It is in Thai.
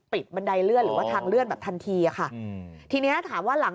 ปิดบันไดเลื่อนไว้ทำเลื่อนแบบทันทีอ่ะค่ะทีนี้ถามว่าหลัง